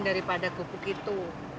daripada kubu gitu